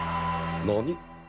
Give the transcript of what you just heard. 何？